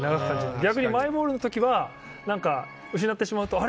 逆にマイボールの時は失ってしまうとあれ？